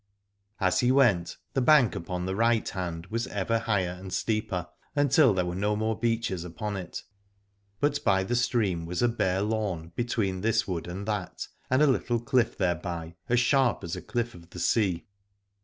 And as he went the bank upon the right 21 Alad ore hand was ever higher and steeper, until there were no more beeches upon it, but by the stream was a bare lawn between this wood and that, and a little cliff thereby, as sharp as a cliff of the sea.